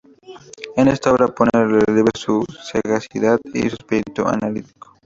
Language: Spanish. En esta obra pone de relieve su sagacidad y su espíritu analítico.